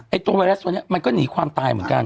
ตัวไวรัสตัวนี้มันก็หนีความตายเหมือนกัน